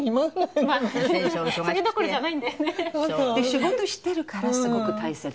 仕事してるからすごく大切。